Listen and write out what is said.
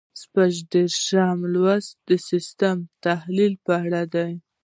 شپږ دېرشم سوال د سیسټم د تحلیل په اړه دی.